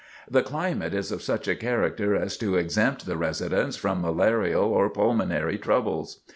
The climate is of such a character as to exempt the residents from malarial or pulmonary troubles.